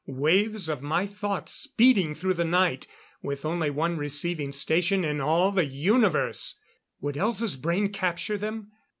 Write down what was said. Waves of my thoughts, speeding through the night, with only one receiving station in all the universe! Would Elza's brain capture them?